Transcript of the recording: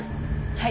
はい。